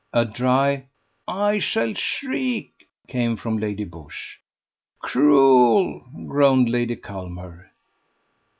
A dry: "I shall shriek!" came from Lady Busshe. "Cruel!" groaned Lady Culmer.